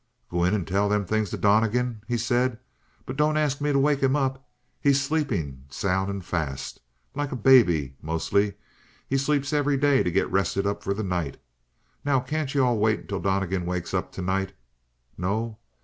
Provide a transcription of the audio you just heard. "Go in and tell them things to Donnegan," he said. "But don't ask me to wake him up. He's sleepin' soun' an' fas'. Like a baby; mostly, he sleeps every day to get rested up for the night. Now, can't you all wait till Donnegan wakes up tonight? No?